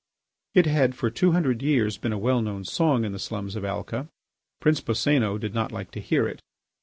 It had, for two hundred years, been a well known song in the slums of Alca. Prince Boscénos did not like to hear it.